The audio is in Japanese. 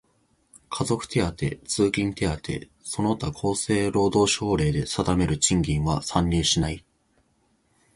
家族手当、通勤手当その他厚生労働省令で定める賃金は算入しない。